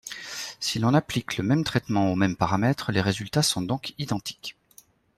Si l'on applique le même traitement aux mêmes paramètres, les résultats sont donc identiques.